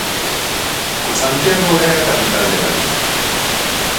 Santiago é a capital de Galicia